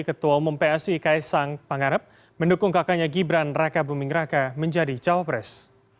ketua umum psi kaisang pangarep mendukung kakaknya gibran raka buming raka menjadi cawapres